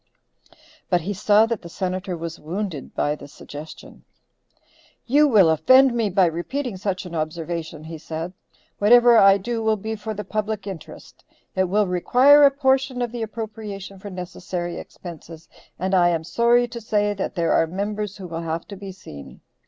But he saw that the Senator was wounded by the suggestion. "You will offend me by repeating such an observation," he said. "Whatever I do will be for the public interest. It will require a portion of the appropriation for necessary expenses, and I am sorry to say that there are members who will have to be seen.